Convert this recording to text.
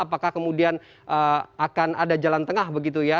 apakah kemudian akan ada jalan tengah begitu ya